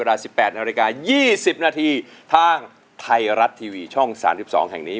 เวลา๑๘นาฬิกา๒๐นาทีทางไทยรัฐทีวีช่อง๓๒แห่งนี้